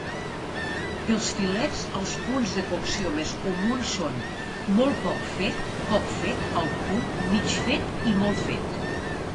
Pels filets, els punts de cocció més comuns són "molt poc fet", "poc fet", "al punt", "mig fet" i "molt fet".